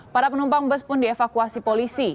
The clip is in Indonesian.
para penumpang bus pun dievakuasi polisi